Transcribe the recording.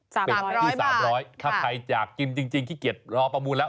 สามร้อยบาทเป็นที่สามร้อยถ้าใครอยากกินจริงขี้เกียจรอประมูลแล้ว